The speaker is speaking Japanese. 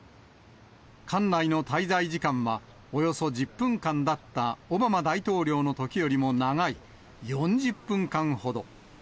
館内の滞在時間は、およそ１０分間だったオバマ大統領のときよりも長い４０分間ほど。